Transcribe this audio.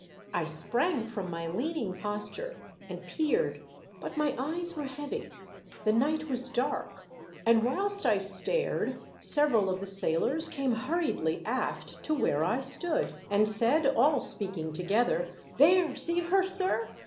I sprang from my leaning posture, and peered, but my eyes were heavy ; the night was dark, and whilst I stared several of the sailors came hurriedly aft to where I stood, and said, all speaking together, " There — see her, sir?